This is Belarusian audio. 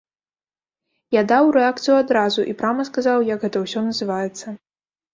Я даў рэакцыю адразу і прама сказаў, як гэта ўсё называецца.